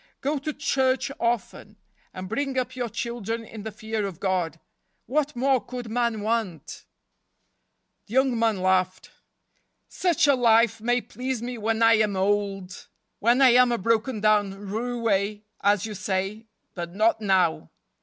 Go to church often, and bring up your children in the fear of God. What more could man want ?" The young man laughed. " Such a life may please me when I am old—when I am a broken down roue, as you say—but not now.